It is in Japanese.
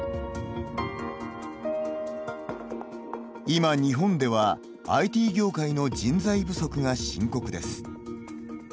今、日本ではＩＴ業界の人材不足が深刻です。